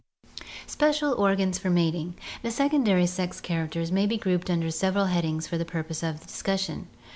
Special Organs for Mating. — The secondary sex characters may be grouped under several headings for the purpose of discussion.